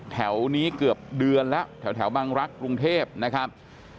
แถวนี้เกือบเดือนแล้วแถวบังรักษ์กรุงเทพนะครับ